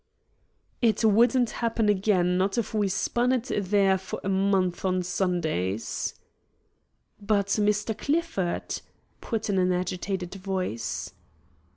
"It wouldn't happen again, not if we spun it there for a month of Sundays." "But Mr. Clifford!" put in an agitated voice.